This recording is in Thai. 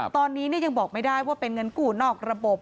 ตอนนี้ยังบอกไม่ได้ว่าเป็นเงินกู้นอกระบบ